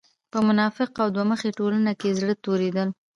په منافقه او دوه مخې ټولنه کې زړۀ توريدل